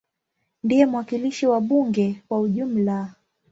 Ndiye mwakilishi wa bunge kwa ujumla.